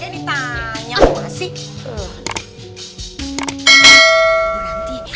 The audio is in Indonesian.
ya ditanya gua sih